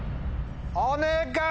お願い！